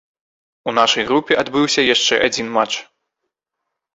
У нашай групе адбыўся яшчэ адзін матч.